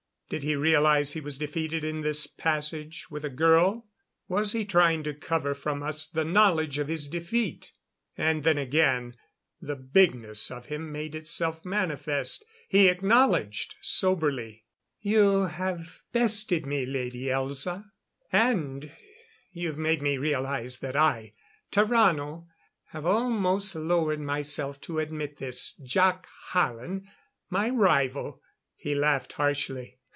Did he realize he was defeated in this passage with a girl? Was he trying to cover from us the knowledge of his defeat? And then again the bigness of him made itself manifest. He acknowledged soberly: "You have bested me, Lady Elza. And you've made me realize that I Tarrano have almost lowered myself to admit this Jac Hallen my rival." He laughed harshly.